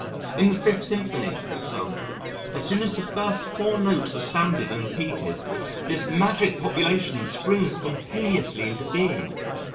In the Fifth Symphony, for example, as soon as the first four notes are sounded and repeated, this magic population springs spontaneously into being.